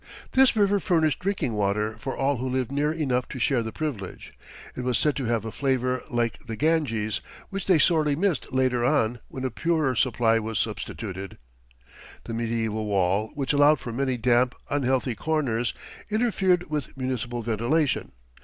This river furnished drinking water for all who lived near enough to share the privilege. It was said to have a flavour like the Ganges, which they sorely missed later on when a purer supply was substituted. The medieval wall, which allowed for many damp, unhealthy corners, interfered with municipal ventilation.